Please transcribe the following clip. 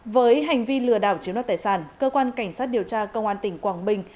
với hành vi lừa đảo chiếm đoạt tài sản cơ quan cảnh sát điều tra công an tỉnh quảng bình